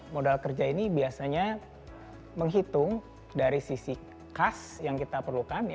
modal kerja ini biasanya menghitung dari sisi kas yang kita perlukan